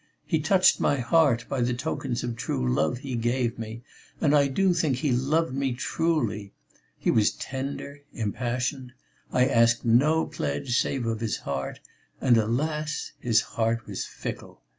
He touched my heart by the tokens of true love he gave me, and I do think he loved me truly. He was tender, impassioned. I asked no pledge save of his heart, and alas! his heart was fickle....